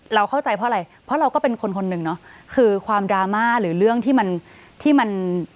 เราเข้าใจเพราะอะไรเพราะเราก็เป็นคนคนหนึ่งเนอะคือความดราม่าหรือเรื่องที่มันที่มัน